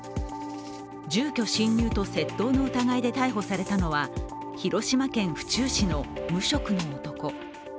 住居侵入と窃盗の疑いで逮捕されたのは、広島県府中市の無職の男。